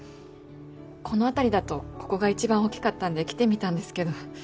この辺りだとここが一番大きかったので来てみたんですけど。